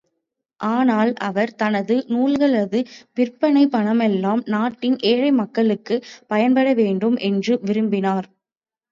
ஆனால், அவர், தனது நூல்களது விற்பனைப் பணமெல்லாம் நாட்டின் ஏழை மக்களுக்குப் பயன்பட வேண்டு என்று விரும்பினார்.